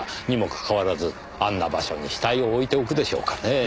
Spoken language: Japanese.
にもかかわらずあんな場所に死体を置いておくでしょうかね？